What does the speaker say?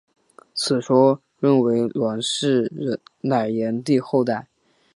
此说认为栾氏乃炎帝的后代。